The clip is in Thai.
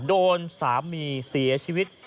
โดนสามีเสียชีวิต